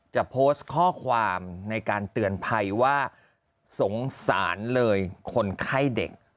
จะโพสต์ข้อความในการเตือนภัยว่าสงสารเลยคนไข้เด็ก